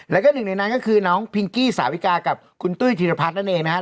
แล้วก็หนึ่งในนั้นก็คือน้องพิงกี้สาวิกากับคุณตุ้ยธีรพัฒน์นั่นเองนะครับ